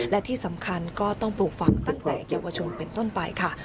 และที่สำคัญก็ต้องปลูกฝังตั้งแต่เยาวชนเป็นต้นไปค่ะ